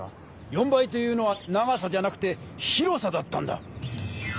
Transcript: ４倍というのは長さじゃなくて広さだったんだ！